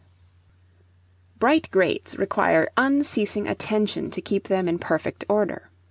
Bright grates require unceasing attention to keep them in perfect order.